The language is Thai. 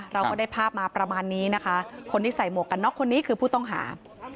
เราก็ได้ภาพมาประมาณนี้นะคะคนที่ใส่หมวกกันน็อกคนนี้คือผู้ต้องหา